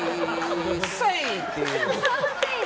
セイッ！っていう。